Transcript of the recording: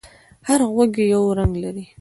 هر غږ یو رنگ لري.